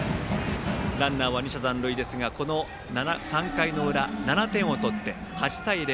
ランナーは２者残塁ですがこの３回の裏、７点を取って８対０。